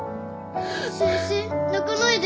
先生泣かないで。